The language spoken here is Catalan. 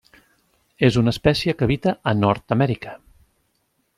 És una espècie que habita a Nord-amèrica.